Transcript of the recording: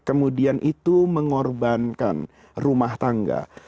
kemudian itu mengorbankan rumah tangga